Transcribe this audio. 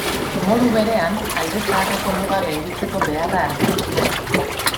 Modu berean, Alde Zaharreko mugak gainditzeko beharra argitu zuen.